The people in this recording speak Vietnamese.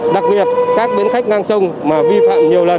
đặc biệt các bến khách ngang sông mà vi phạm nhiều lần